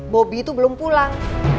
bobby itu belum pulang